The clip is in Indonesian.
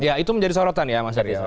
ya itu menjadi sorotan ya mas haris